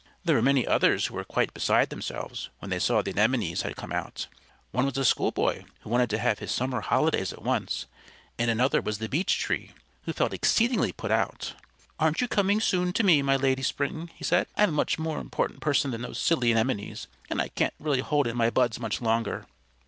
There were many others who were quite beside themselves when they saw the Anemones had come out. One was a schoolboy who wanted to have his summer holidays at once; and another was the Beech Tree, who felt exceedingly put out. "Aren't you coming soon to me, my Lady Spring?" he said. "I am a much more important person than those silly Anemones, and I can't really hold in my buds much longer."